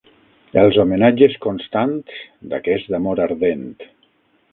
Els homenatges constants d'aquest amor ardent.